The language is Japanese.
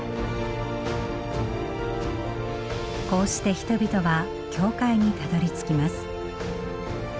こうして人々は教会にたどりつきます。